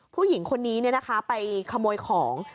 ผู้หญิงคนนี้เนี่ยนะคะไปขโมยของ